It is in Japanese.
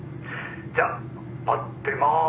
じゃあ待ってまーす！」